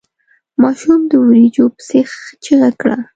ماشوم د وريجو پسې چيغه کړه.